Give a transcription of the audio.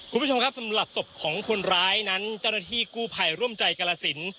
คุณผู้ชมครับสำหรับศพของคนร้ายนั้นเจ้าหน้าที่กู้ภัยร่วมใจกรสิน